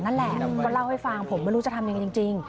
ว่าเล่าให้ฟังผมไม่รู้ว่าคือทำยังไงจริง